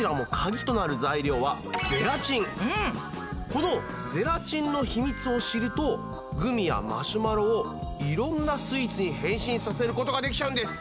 このゼラチンのヒミツを知るとグミやマシュマロをいろんなスイーツに変身させることができちゃうんです！